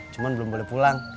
cuman belum boleh pulang